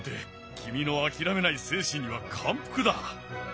君の諦めない精神には感服だ！